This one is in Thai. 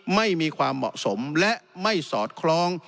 ไม่มีความเหมาะสมและไม่สอดคล้อง